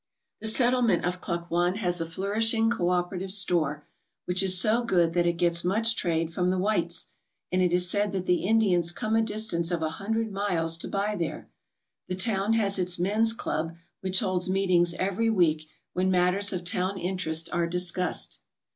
. The settlement of Klukwan has a flourishing coopera tive store, which is so good that it gets much trade from the whites, and it is said that the Indians come a distance of a hundred miles to buy there. The town has its men's club, which holds meetings every week, when matters of town interest are discussed.